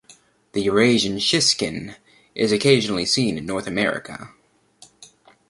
The Eurasian siskin is occasionally seen in North America.